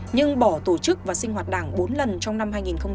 nhưng bỏ tổ chức và sinh hoạt đảng bốn lần trong năm hai nghìn một mươi chín